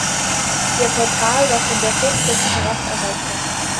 Ihr Portal war von der Hochfläche herab erreichbar.